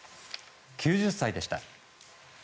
９０歳でした。